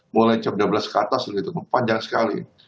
mulai jam dua belas ke atas sudah ditutup panjang sekali